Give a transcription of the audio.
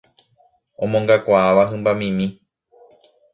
omongakuaáva hymbamimi